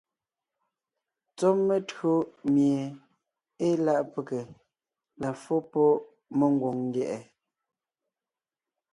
Tsɔ́ metÿǒ mie ée láʼ pege la fó pɔ́ mengwòŋ ndyɛ̀ʼɛ.